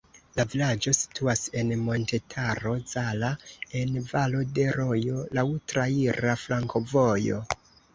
La vilaĝo situas en Montetaro Zala, en valo de rojo, laŭ traira flankovojo.